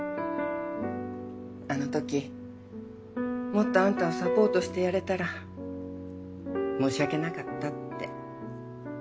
あのときもっとアンタをサポートしてやれたら申し訳なかったって。